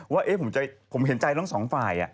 ว่าผมเห็นใจทั้งสองฝ่าย